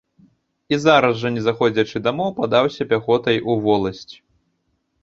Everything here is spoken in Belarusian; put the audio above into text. І зараз жа, не заходзячы дамоў, падаўся пяхотай у воласць.